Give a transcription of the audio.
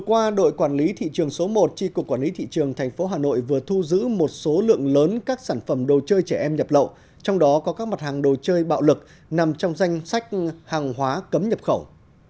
hôm qua đội quản lý thị trường số một tri cục quản lý thị trường tp hà nội vừa thu giữ một số lượng lớn các sản phẩm đồ chơi trẻ em nhập lậu trong đó có các mặt hàng đồ chơi bạo lực nằm trong danh sách hàng hóa cấm nhập khẩu